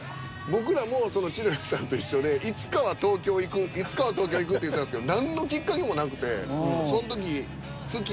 僕らも千鳥さんと一緒でいつかは東京行くいつかは東京行くって言ってたんですけど何のきっかけもなくて。